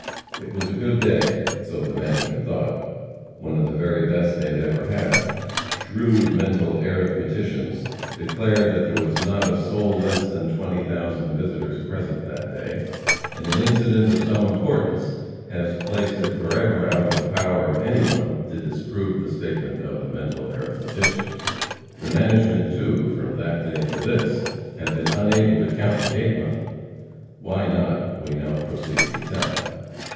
It was a good day, so the "management" thought, one of the very best they had ever had. Shrewd mental arithmeticians declared there was not a soul less than twenty thousand visitors present that day, and an incident of some importance has placed it forever out of the power of any one to disprove the statement of the mental arithmetician. The management, too, from that day to this, have been unable to count the gate money. Why not we now proceed to tell.